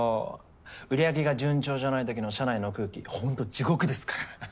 売り上げが順調じゃないときの社内の空気ほんと地獄ですからははっ。